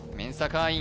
会員